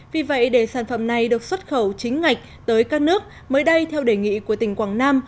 vì vậy để sản phẩm này được xuất khẩu chính ngạch tới các nước mới đây theo đề nghị của tỉnh quảng nam